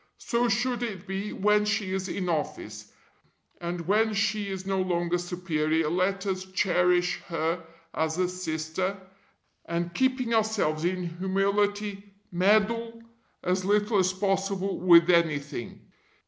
So should it be when she is in office. And when she is no longer Superior let us cherish her as a sister, and keeping ourselves in humility, meddle as little as possible with anything.